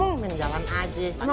emang mau tau jalanan